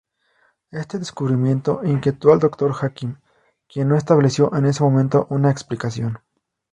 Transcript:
Este descubrimiento inquietó al Dr. Hakim, quien no estableció en ese momento una explicación.